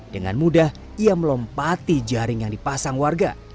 dengan mudah ia melompati jaring yang dipasang warga